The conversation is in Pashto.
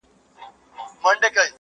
څه مطلب لري سړی نه په پوهېږي-